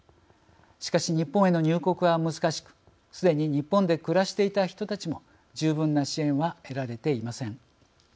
しかし、日本への入国は難しくすでに日本で暮らしていた人たちも十分な支援は得られていません。